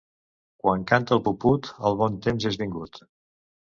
Quan canta el puput, el bon temps és vingut.